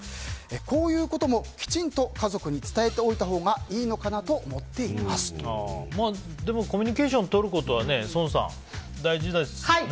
こういうこともきちんと家族に伝えておいたほうがいいのかなとでも、コミュニケーションをとることは宋さん、大事ですよね。